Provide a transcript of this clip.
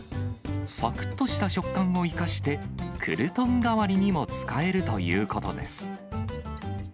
さくっとした食感を生かして、クルトン代わりにも使えるということです。